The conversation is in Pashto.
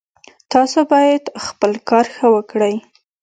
تاسو باید خپل کار ښه وکړئ